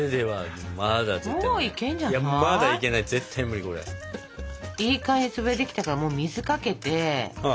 いい感じに潰れてきたからもう水かけて。